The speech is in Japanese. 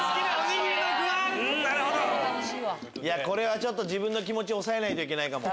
これは自分の気持ち抑えないといけないかも。